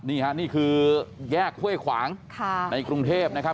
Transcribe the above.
นี่ค่ะนี่คือแยกห้วยขวางในกรุงเทพนะครับ